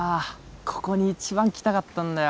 ここに一番来たかったんだよ。